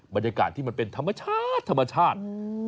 บรรยากาศที่มันเป็นธรรมชาติธรรมชาติ